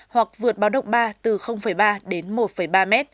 hoặc vượt báo động ba từ ba đến một ba m